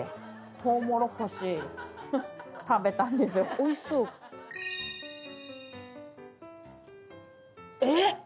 「おいしそう」えっ！